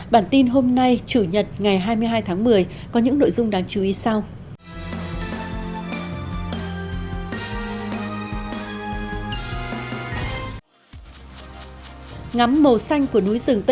bản tin hôm nay chủ nhật ngày hai mươi hai tháng một mươi có những nội dung đáng chú ý sau